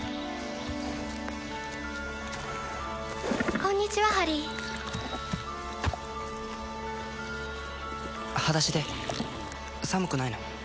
こんにちはハリーはだしで寒くないの？